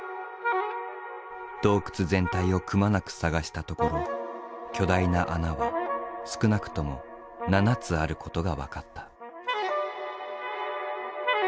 洞窟全体をくまなく探したところ巨大な穴は少なくとも７つあることが分かった。